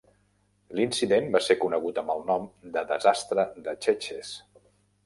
L'incident va ser conegut amb el nom de desastre de Cheches.